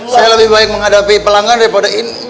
saya lebih baik menghadapi pelanggan daripada in